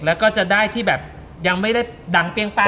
แล้วก็จะได้ที่แบบยังไม่ได้ดังเปรี้ยงป้า